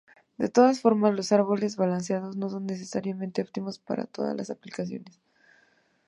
De todas formas, los árboles balanceados no son necesariamente óptimos para todas las aplicaciones.